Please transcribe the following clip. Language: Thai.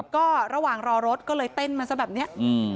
ก็ระหว่างรอรถก็เลยเต้นมาซะแบบนี้